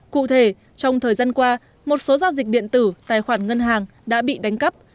cụ thể trong thời gian qua một số giao dịch điện tử tài khoản ngân hàng đã bị đánh cắp